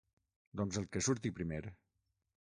Doncs el que surti primer.